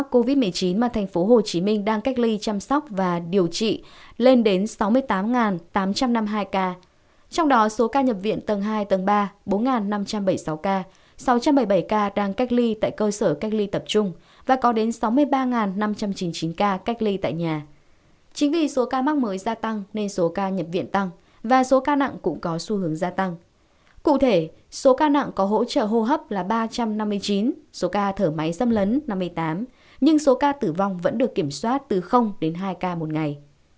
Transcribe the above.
cụ thể số ca nặng có hỗ trợ hô hấp là ba trăm năm mươi chín số ca thở máy xâm lấn năm mươi tám nhưng số ca tử vong vẫn được kiểm soát từ đến hai ca một ngày